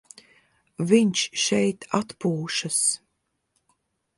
Viņš šeit atpūšas.